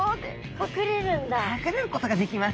隠れることができます。